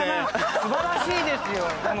素晴らしいですよ！